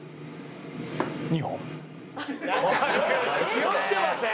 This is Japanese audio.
ひよってません？